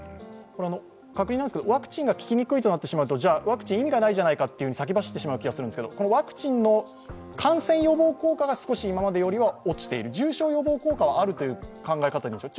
ワクチンが効きにくいとなってしまうと、ワクチン意味が無いじゃないかと先走ってしまうような気がするんですけど、ワクチンの感染予防効果が少し今までよりは落ちている重症予防効果はあるという考え方ですか？